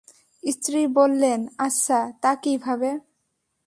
স্ত্রী বললেন, আচ্ছা, তা কিভাবে?